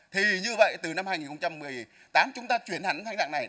thì như vậy từ năm hai nghìn một mươi tám chúng ta chuyển hẳn thành dạng này